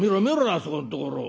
あそこのところを。